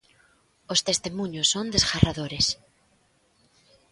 Os testemuños son desgarradores.